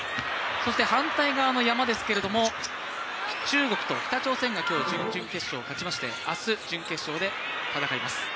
そして反対側の山は中国と北朝鮮が今日準々決勝を勝ちまして明日、準決勝で戦います。